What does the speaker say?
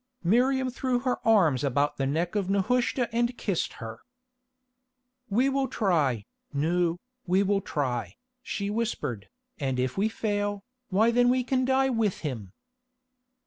Miriam threw her arms about the neck of Nehushta and kissed her. "We will try, Nou, we will try," she whispered, "and if we fail, why then we can die with him."